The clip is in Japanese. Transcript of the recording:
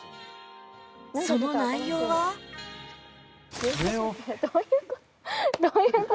その内容はどういう事？